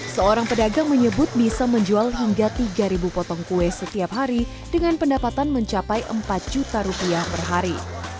seorang pedagang menyebut bisa menjual hingga tiga potong kue setiap hari dengan pendapatan mencapai empat juta rupiah per hari